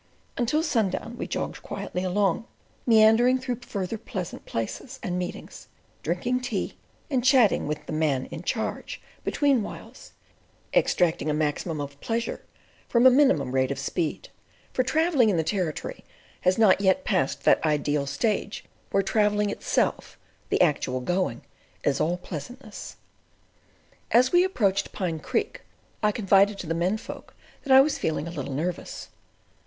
Until sundown we jogged quietly on, meandering through further pleasant places and meetings; drinking tea and chatting with the Man in Charge between whiles, extracting a maximum of pleasure from a minimum rate of speed: for travelling in the Territory has not yet passed that ideal stage where the travelling itself—the actual going—is all pleasantness. As we approached Pine Creek I confided to the men folk that I was feeling a little nervous.